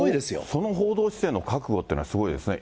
その報道姿勢の覚悟というのは、すごいですね。